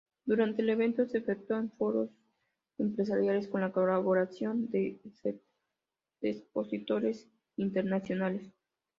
Durante el evento se efectúan foros empresariales con la colaboración de expositores internacionales.